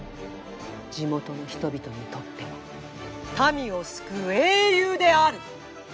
地元の人々にとっては民を救う英雄である。